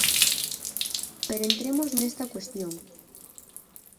Pero entremos nesta cuestión.